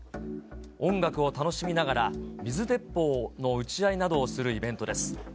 音楽を楽しみながら、水鉄砲の撃ち合いなどをするイベントです。